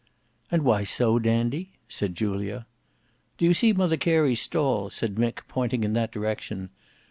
"And why so, Dandy?" said Julia. "Do you see Mother Carey's stall?" said Mick, pointing in that direction.